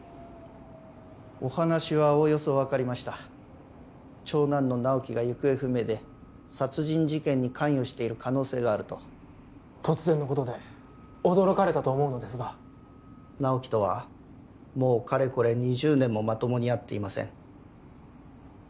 お話はおおよそ分かりました長男の直木が行方不明で殺人事件に関与している可能性があると突然のことで驚かれたと思うのですが直木とはもうかれこれ２０年もまともに会っていません